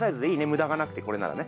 無駄がなくてこれならね。